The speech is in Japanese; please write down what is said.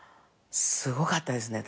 すごかったですね